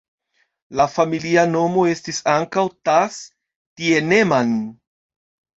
Lia familia nomo estis ankaŭ "Thass-Thienemann".